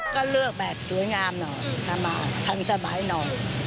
ก็เลือกแบบสวยงามหน่อยทำมาทำสบายหน่อย